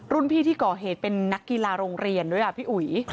พี่ที่ก่อเหตุเป็นนักกีฬาโรงเรียนด้วยอ่ะพี่อุ๋ย